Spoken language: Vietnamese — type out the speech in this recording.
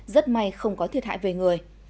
rất may không có thiệt hại về người